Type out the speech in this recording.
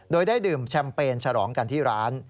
โดยได้ดื่มแชมเปญฉลองกันที่ร้าน